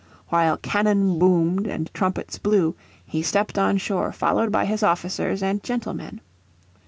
While cannon boomed and trumpets blew he stepped on shore followed by his officers and gentlemen.